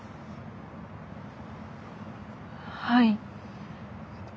はい。